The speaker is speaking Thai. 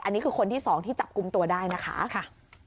อันนี้คือคนที่สองที่จับกลุ่มตัวได้นะคะ